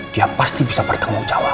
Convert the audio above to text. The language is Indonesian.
dia pasti bisa bertanggung jawab